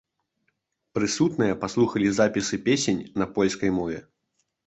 Прысутныя паслухалі запісы песень на польскай мове.